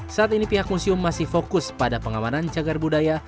saat ini pihak museum masih fokus pada pengamanan cagar budaya